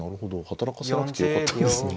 働かせなくてよかったんですね。